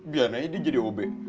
biarin aja dia jadi ob